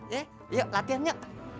ya yuk latihannya